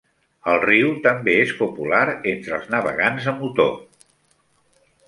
El riu també és popular entre els navegants a motor.